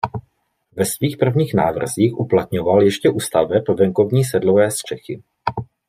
Ve svých prvních návrzích uplatňoval ještě u staveb venkovní sedlové střechy.